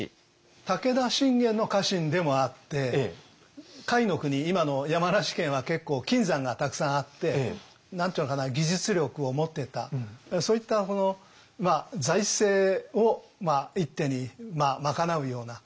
武田信玄の家臣でもあって甲斐国今の山梨県は結構金山がたくさんあって何て言うのかな技術力を持ってたそういった財政を一手に賄うようなそういう仕事をさせてます。